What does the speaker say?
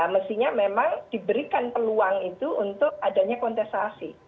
mestinya memang diberikan peluang itu untuk adanya kontestasi